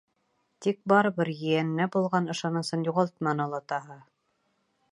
Тик барыбер ейәненә булған ышанысын юғалтманы олатаһы.